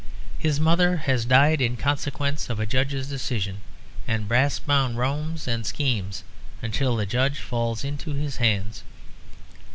His mother has died in consequence of a judge's decision, and Brassbound roams and schemes until the judge falls into his hands.